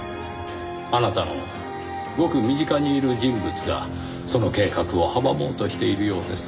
あなたのごく身近にいる人物がその計画を阻もうとしているようです。